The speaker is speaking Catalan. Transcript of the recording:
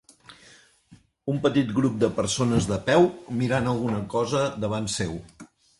Un petit grup de persones de peu mirant alguna cosa davant seu.